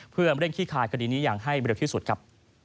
เพื่อเร่งขี้คายคดีนี้อย่างให้เร็วที่สุดครับ